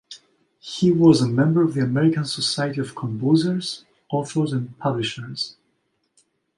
He was a member of the American Society of Composers, Authors and Publishers.